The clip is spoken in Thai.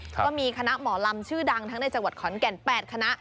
ก็มีคณะหมอลำชื่อดังทั้งในจังหวัดขอนแก่น๘คณะ